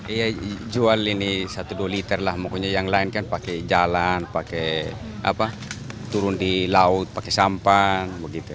iya jual ini satu dua liter lah pokoknya yang lain kan pakai jalan pakai apa turun di laut pakai sampan begitu